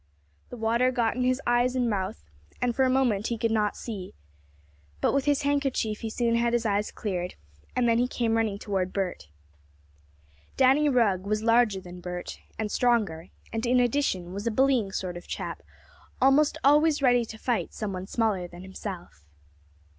The water got in his eyes and mouth, and for a moment he could not see. But with his handkerchief he soon had his eyes cleared, and then he came running toward Bert. Danny Rugg was larger than Bert, and stronger, and, in addition, was a bullying sort of chap, almost always ready to fight some one smaller than himself.